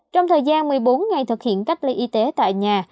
trong thời gian một mươi bốn ngày thực hiện cách ly y tế tại nhà